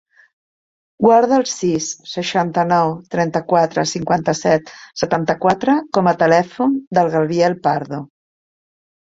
Guarda el sis, seixanta-nou, trenta-quatre, cinquanta-set, setanta-quatre com a telèfon del Gabriel Pardo.